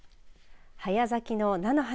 早咲きの菜の花。